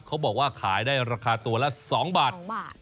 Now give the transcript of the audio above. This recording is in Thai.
เขาบอกว่าขายได้ราคาตัวละ๒บาท